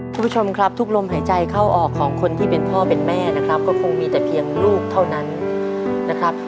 คุณผู้ชมครับทุกลมหายใจเข้าออกของคนที่เป็นพ่อเป็นแม่นะครับก็คงมีแต่เพียงลูกเท่านั้นนะครับ